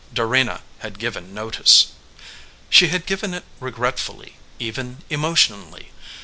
Dorena had given notice. She had given it regretfully, even emotionally.